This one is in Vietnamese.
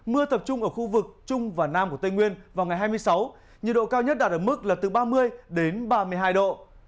mưa tập trung ở khu vực trung và nam của tây nguyên vào ngày hai mươi sáu nhiệt độ cao nhất đạt ở mức là từ ba mươi đến ba mươi hai độ